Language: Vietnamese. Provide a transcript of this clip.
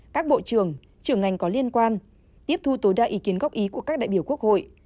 các bộ trưởng trưởng ngành có liên quan tiếp thu tối đa ý kiến góp ý của các đại biểu quốc hội